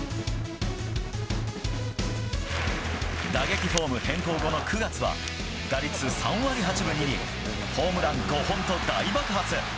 打撃フォーム変更後の９月は打率３割８分２厘ホームラン５本と大爆発。